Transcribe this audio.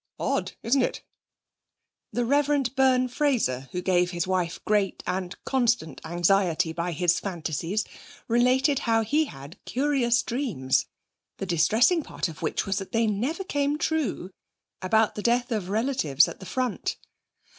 Odd, isn't it?' The Rev. Byrne Fraser, who gave his wife great and constant anxiety by his fantasies, related how he had curious dreams the distressing part of which was that they never came true about the death of relatives at the front.